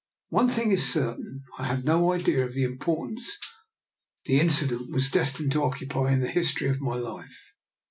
One thing is certain, I had no idea of the importance the incident was destined to occupy in the history of my life.